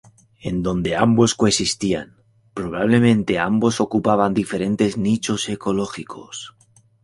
En donde ambos coexistían, probablemente ambos ocupaban diferentes nichos ecológicos.